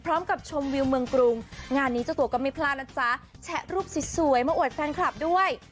ชมวิวเมืองกรุงงานนี้เจ้าตัวก็ไม่พลาดนะจ๊ะแชะรูปสวยมาอวดแฟนคลับด้วย